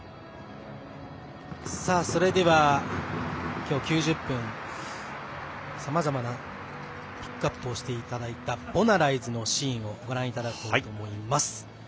きょう９０分さまざまなピックアップをしていただいた「ボナライズ」のシーンをご覧いただきたいと思います。